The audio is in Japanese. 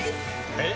えっ？